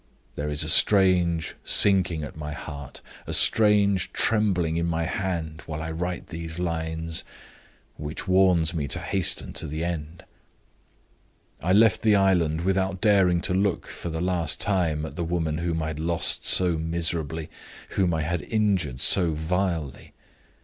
There is a strange sinking at my heart, a strange trembling in my hand, while I write these lines, which warns me to hasten to the end. I left the island without daring to look for the last time at the woman whom I had lost so miserably, whom I had injured so vilely.